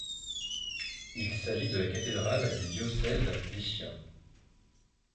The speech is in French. Il s'agit de la cathédrale du diocèse d'Ischia.